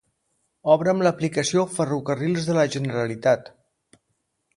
Obre'm l'aplicació Ferrocarrils de la Generalitat.